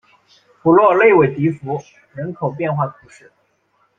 普洛内韦迪福人口变化图示